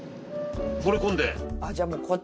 惚れ込んで。